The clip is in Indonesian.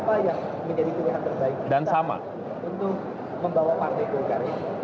menjadi pilihan terbaik kita untuk membawa partai goka